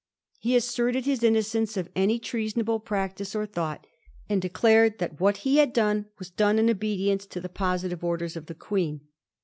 He asserted hia innocence of any treasonable practice or thought, and declared that what he had done was done in obedience to the positive orders of the Queen.